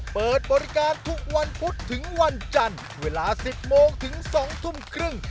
เปิดบริการทุกวันพุธถึงวันจันทร์เวลา๑๐โมงถึง๒ทุ่มครึ่ง